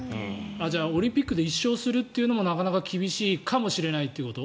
じゃあ、オリンピックで１勝するというのもなかなか厳しいということ？